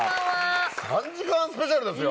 ３時間スペシャルですよ！